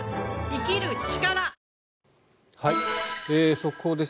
速報です。